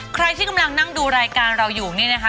ใครที่กำลังนั่งดูรายการเราอยู่นี่นะคะ